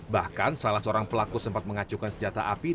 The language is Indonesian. bahkan salah seorang pelaku sempat mengacukan senjata api